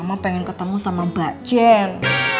mama pengen ketemu sama mbak jen